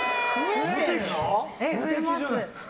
無敵じゃない！